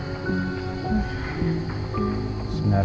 itu memang orang baru